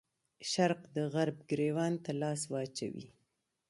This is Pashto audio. شرق د غرب ګرېوان ته لاس واچوي.